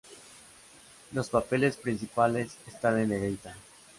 Los papeles principales están en negrita